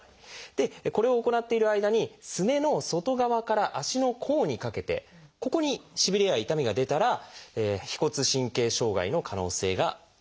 これを行っている間にすねの外側から足の甲にかけてここにしびれや痛みが出たら腓骨神経障害の可能性があるんです。